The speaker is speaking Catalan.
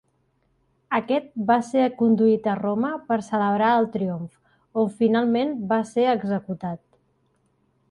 Aquest va ser conduït a Roma, per celebrar el triomf, on finalment va ser executat.